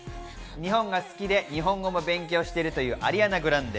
日本が好きで、日本語も勉強しているというアリアナ・グランデ。